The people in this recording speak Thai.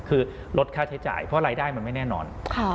คือลดค่าใช้จ่ายเพราะรายได้มันไม่แน่นอน